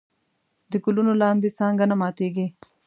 د ګلونو لاندې څانګه نه ماتېږي.